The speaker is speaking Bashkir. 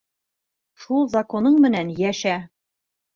Шул законың менән йәшә.